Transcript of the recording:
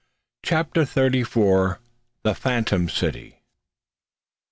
CHAPTER THIRTY FOUR. THE PHANTOM CITY.